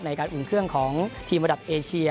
อุ่นเครื่องของทีมระดับเอเชีย